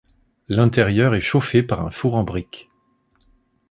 L'intérieur est chauffé par un four en brique.